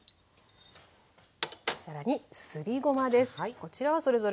更にすりごまです。